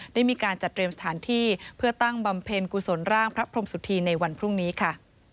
ได้มีการจัดเตรียมสถานที่เพื่อตั้งบำเพ็ญกุศลร่างพระพรมสุธีในวันพรุ่งนี้ค่ะ